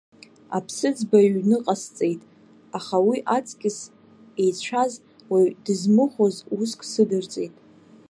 Аԥсыӡ баҩ ҩны ҟасҵеит, аха уи аҵкьыс еицәаз, уаҩ дызмыхәоз уск сыдырҵеит.